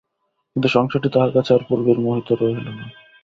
কিন্তু, সংসারটি তাহার কাছে আর পূর্বেই মতো রহিল না।